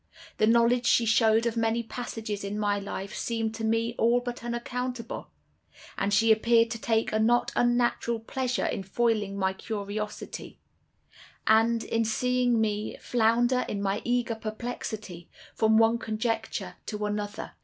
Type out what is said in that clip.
The knowledge she showed of many passages in my life seemed to me all but unaccountable; and she appeared to take a not unnatural pleasure in foiling my curiosity, and in seeing me flounder in my eager perplexity, from one conjecture to another.